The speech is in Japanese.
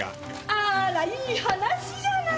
あーらいい話じゃない！